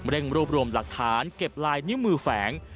รวบรวมหลักฐานเก็บลายนิ้วมือแฝง